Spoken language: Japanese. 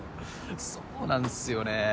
そうなんすよね。